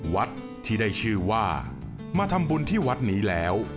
วัดที่ได้ชื่อว่ามาทำบุญที่วัดนี้แล้ว